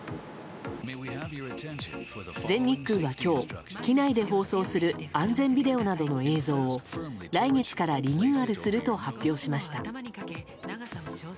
全日空は今日、機内で放送する安全ビデオなどの映像を来月からリニューアルすると発表しました。